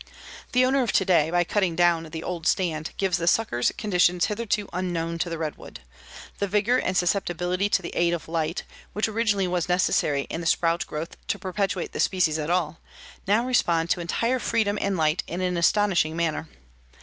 The owner of today, by cutting down the old stand, gives the suckers conditions hitherto unknown to the redwood. The vigor and susceptibility to the aid of light, which originally was necessary in the sprout growth to perpetuate the species at all, now respond to entire freedom and light in an astonishing manner.